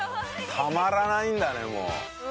たまらないんだね、もう！